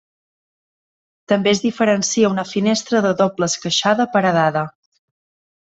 També es diferencia una finestra de doble esqueixada paredada.